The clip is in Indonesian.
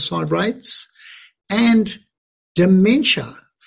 jadi itu sangat penting